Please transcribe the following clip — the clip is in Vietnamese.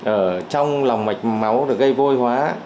ở trong lòng mạch máu được gây vôi hóa